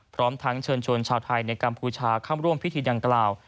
พร้อมทั้งเชิญชวนชาวไทยในกัมพูชาเข้าร่วมพิธีดังกล่าว